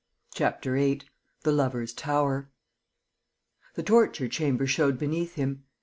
CHAPTER VIII. THE LOVERS' TOWER The torture chamber showed beneath him.